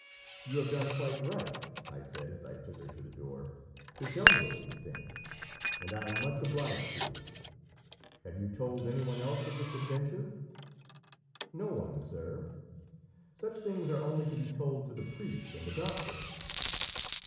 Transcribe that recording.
"You have done quite right," I said as I took her to the door, "to tell me of these things, and I am much obliged to you. Have you told any one else of this adventure?" "No one, sir; such things are only to be told to the priest and the doctor."